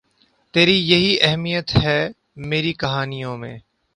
تری یہی اہمیت ہے میری کہانیوں میں